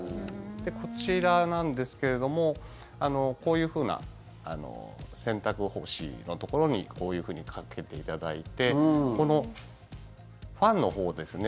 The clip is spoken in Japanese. で、こちらなんですけどこういうふうな洗濯干しのところにこういうふうにかけていただいてこのファンのほうですね